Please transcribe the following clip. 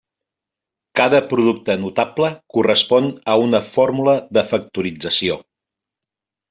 Cada producte notable correspon a una fórmula de factorització.